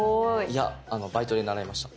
いやバイトで習いました。